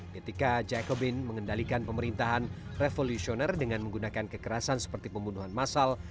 ketika jacobin mengendalikan pemerintahan revolusioner dengan menggunakan kekerasan seperti pembunuhan masal